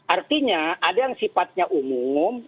artinya ada yang sifatnya umum